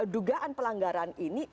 dugaan pelanggaran ini